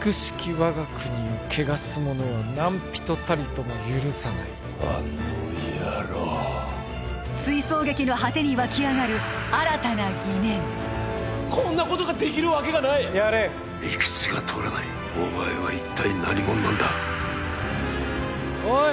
我が国を汚す者は何人たりとも許さないあの野郎追走劇の果てに湧き上がる新たな疑念こんなことできるわけがないやれ理屈が通らないお前は一体何者なんだおい